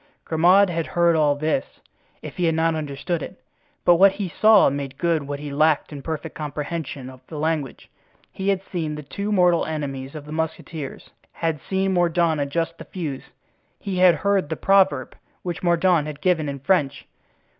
Grimaud had heard all this, if he had not understood it. But what he saw made good what he lacked in perfect comprehension of the language. He had seen the two mortal enemies of the musketeers, had seen Mordaunt adjust the fuse; he had heard the proverb, which Mordaunt had given in French.